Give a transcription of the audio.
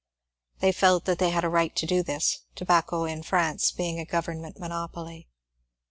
They felt that they had a right to do this, tobacco in France being a government monopoly.